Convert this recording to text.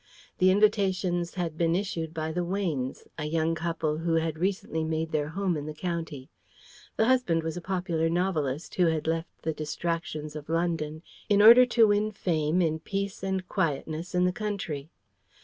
The invitations had been issued by the Weynes, a young couple who had recently made their home in the county. The husband was a popular novelist, who had left the distractions of London in order to win fame in peace and quietness in the country.